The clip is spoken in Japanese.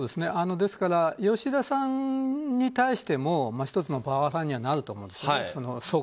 ですから、吉田さんに対しても１つのパワハラにはなると思うんですね。